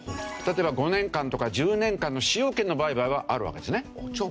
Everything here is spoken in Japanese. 例えば５年間とか１０年間の使用権の売買はあるわけですね。